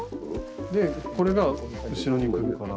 でこれが後ろに来るから。